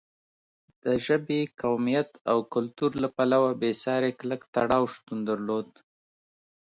د ژبې، قومیت او کلتور له پلوه بېساری کلک تړاو شتون درلود.